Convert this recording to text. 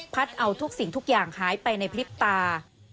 เอาทุกสิ่งทุกอย่างหายไปในพริบตา